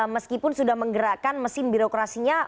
meskipun sudah menggerakkan mesin birokrasinya